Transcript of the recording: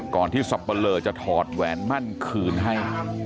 ที่สับปะเลอจะถอดแหวนมั่นคืนให้